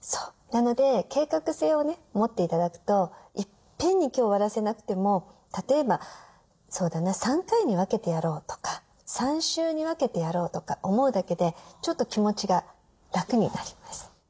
なので計画性を持って頂くといっぺんに今日終わらせなくても例えばそうだな３回に分けてやろうとか３週に分けてやろうとか思うだけでちょっと気持ちが楽になります。